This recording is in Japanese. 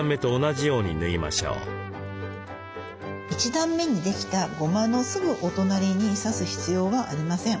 １段目にできたゴマのすぐお隣に刺す必要はありません。